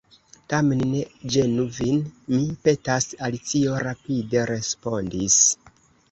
"Tamen ne ĝenu vin, mi petas," Alicio rapide respondis.